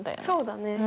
そうだね。